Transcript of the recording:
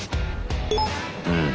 うん。